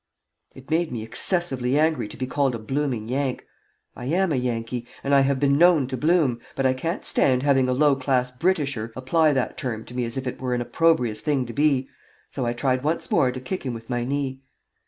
It made me excessively angry to be called a blooming Yank. I am a Yankee, and I have been known to bloom, but I can't stand having a low class Britisher apply that term to me as if it were an opprobrious thing to be, so I tried once more to kick him with my knee.